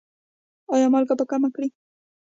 ایا مالګه به کمه کړئ؟